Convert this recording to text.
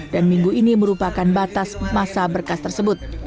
dan minggu ini merupakan batas masa berkas tersebut